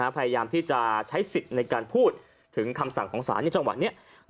พยายามที่จะใช้สิทธิ์ในการพูดถึงคำสั่งของศาลในจังหวะนี้